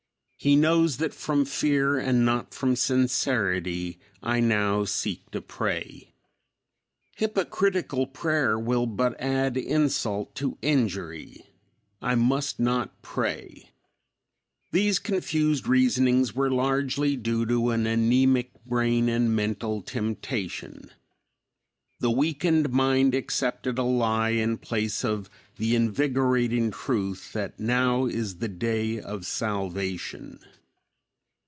He knows that from fear and not from sincerity I now seek to pray. Hypocritical prayer will but add insult to injury. I must not pray." These confused reasonings were largely due to an anemic brain and mental temptation. The weakened mind accepted a lie in place of the invigorating truth that "now is the day of salvation."